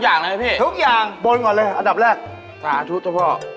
เขาไปกับแขกเปล่า